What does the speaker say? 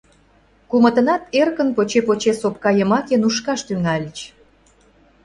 Кумытынат эркын, поче-поче сопка йымаке нушкаш тӱҥальыч.